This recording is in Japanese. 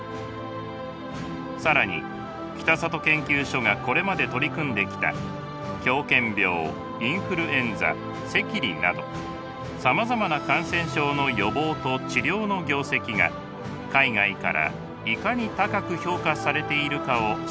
更に北里研究所がこれまで取り組んできたなどさまざまな感染症の予防と治療の業績が海外からいかに高く評価されているかを知るのです。